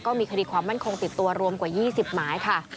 มีคดีความมั่นคงติดตัวรวมกว่า๒๐หมายค่ะ